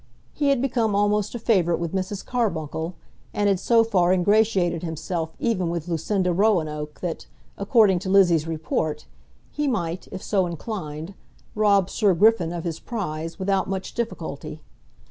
He had become almost a favourite with Mrs. Carbuncle; and had so far ingratiated himself even with Lucinda Roanoke that, according to Lizzie's report, he might, if so inclined, rob Sir Griffin of his prize without much difficulty.